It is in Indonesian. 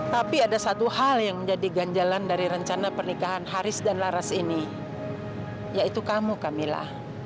tapi ada satu hal yang menjadi ganjalan dari rencana pernikahan haris dan laras ini yaitu kamu camilla